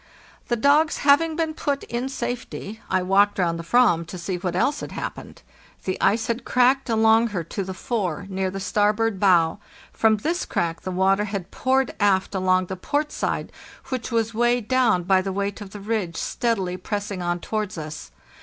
"The dogs having been put in safety, I walked round the /ram to see what else had happened. The ice had cracked along her to the fore, near the starboard bow; from this crack the water had poured aft along the port side, which was weighed down by the weight of the ridge steadily pressing on towards us.